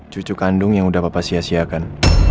cucu kandung yang udah papa sia siakan